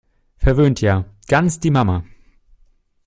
Verwöhnt ja - ganz die Mama!